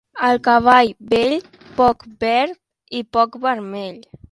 A cavall vell, poc verd i poc vermell.